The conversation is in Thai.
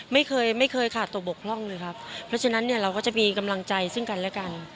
ไม่เคยไม่เคยขาดตัวบกพร่องเลยครับเพราะฉะนั้นเนี่ยเราก็จะมีกำลังใจซึ่งกันและกัน